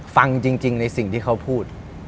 ฟังจริงในสิ่งที่เขาพูด